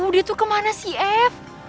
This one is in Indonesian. dia tuh kemana si f